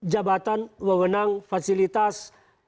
jabatan wewenang fasilitas